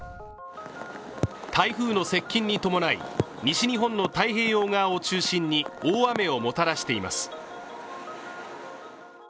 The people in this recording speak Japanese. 台風の接近に伴い西日本の太平洋側を中心に大雨をもたらしています。